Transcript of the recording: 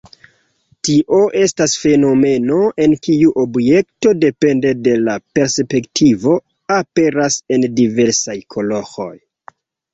Tio estas fenomeno, en kiu objekto, depende de la perspektivo, aperas en diversaj koloroj.